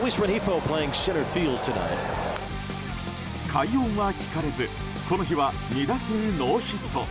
快音は聞かれずこの日は２打数ノーヒット。